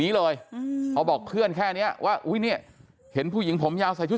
นี้เลยเขาบอกเคลื่อนแค่นี้ว่าเห็นผู้หญิงผมยาวใส่ชุด